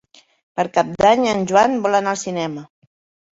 Per Cap d'Any en Joan vol anar al cinema.